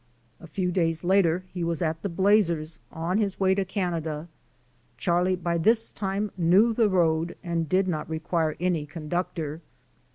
A few days later he was at the Blazers on his way to Canada. Charlie by this time knew the road and did not require any conductor.